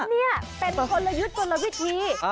นี่เป็นคนละยุทธ์คนละวิธี